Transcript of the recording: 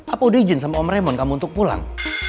apa udah izin sama om remon kamu untuk pulang